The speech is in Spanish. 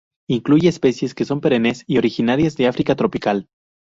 Incluye especies, que son perennes y originarias de África tropical.